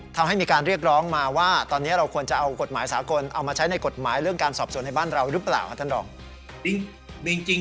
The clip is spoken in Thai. ทำให้มีการเรียกร้องมาว่าตอนนี้เราควรจะเอากฎหมายสากลเอามาใช้ในกฎหมายเรื่องการสอบส่วนในบ้านเราหรือเปล่าครับท่านรอง